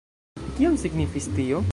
Kion signifis tio?